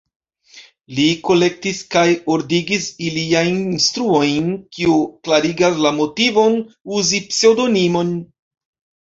Li kolektis kaj ordigis iliajn instruojn, kio klarigas la motivon uzi pseŭdonimon.